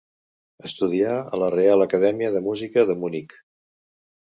Estudià en la Reial Acadèmia de Música de Munic.